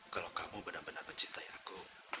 kalau kamu benar benar mencintai aku